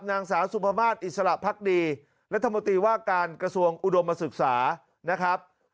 นางสาวสุภามาศอิสระพักดีรัฐมนตรีว่าการกระทรวงอุดมศึกษานะครับ